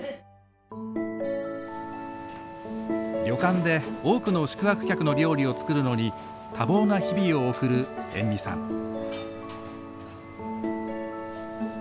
旅館で多くの宿泊客の料理を作るのに多忙な日々を送る延味さん。